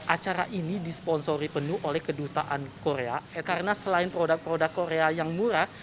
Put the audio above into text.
acara ini disponsori penuh oleh kedutaan korea karena selain produk produk korea yang murah